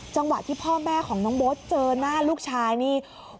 จังหวะที่พ่อแม่ของน้องโบ๊ทเจอหน้าลูกชายนี่